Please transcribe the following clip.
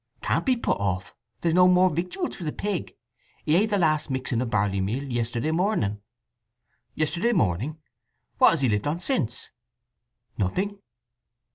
"Can't be put off. There's no more victuals for the pig. He ate the last mixing o' barleymeal yesterday morning." "Yesterday morning? What has he lived on since?" "Nothing."